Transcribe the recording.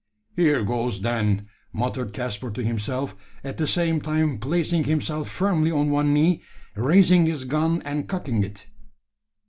"Here goes, then!" muttered Caspar to himself; at the same time placing himself firmly on one knee, raising his gun and cocking it.